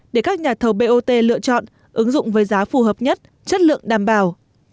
để các nhà thầu bot lựa chọn ứng dụng với giá phù hợp nhất chất lượng đảm bảo